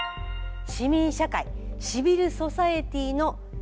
市民社会シビルソサエティーのＣです。